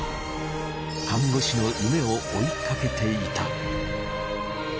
看護師の夢を追いかけていた。